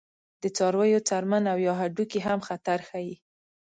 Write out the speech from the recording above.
د څارویو څرمن او یا هډوکي هم خطر ښيي.